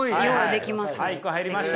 はい１個入りました。